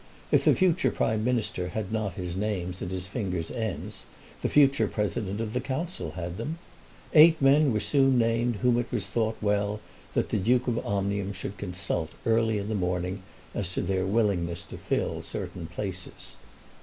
If the future Prime Minister had not his names at his fingers' ends, the future President of the Council had them. Eight men were soon named whom it was thought well that the Duke of Omnium should consult early in the morning as to their willingness to fill certain places.